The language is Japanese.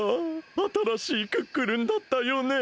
あたらしいクックルンだったよね。